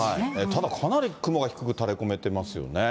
ただ、かなり雲が低く垂れこめてますよね。